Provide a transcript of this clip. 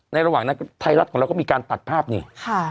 ระหว่างนั้นไทยรัฐของเราก็มีการตัดภาพนี่